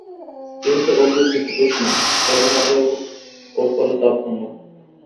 ইহাতে অগ্নির কিছু দোষ নাই, ব্যবহারে ও ফলে তারতম্য হয়।